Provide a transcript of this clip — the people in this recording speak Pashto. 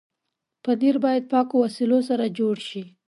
پنېر باید پاکو وسایلو سره جوړ شي.